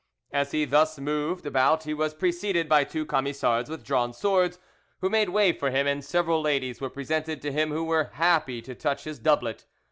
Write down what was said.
As he thus moved about he was preceded by two Camisards with drawn swords, who made way for him; and several ladies were presented to him who were happy to touch his doublet.